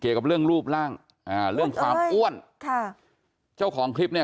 เกี่ยวกับเรื่องรูปร่างอ่าเรื่องความอ้วนค่ะเจ้าของคลิปเนี่ย